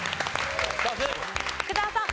福澤さん。